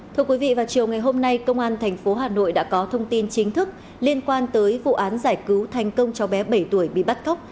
thưa quý vị vào chiều ngày hôm nay công an tp hà nội đã có thông tin chính thức liên quan tới vụ án giải cứu thành công cháu bé bảy tuổi bị bắt cóc